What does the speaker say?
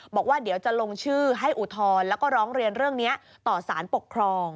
บอกว่าเดี๋ยวจะลงชื่อให้อุทธรณ์แล้วก็ร้องเรียนเรื่องนี้ต่อสารปกครอง